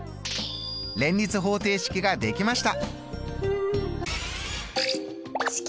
連立方程式ができました！